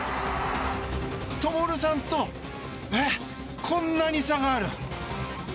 灯さんと、こんなに差がある。